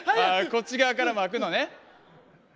こっち側からも開くのね。